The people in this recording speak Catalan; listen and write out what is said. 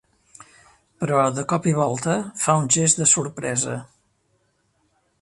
Però, de cop i volta, fa un gest de sorpresa.